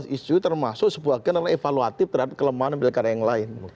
dua belas isu termasuk sebuah general evaluatif terhadap kelemahan milikara yang lain